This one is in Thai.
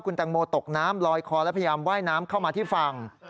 แตงโมตกน้ำลอยคอและพยายามไหว้น้ำเข้ามาที่ฝั่ง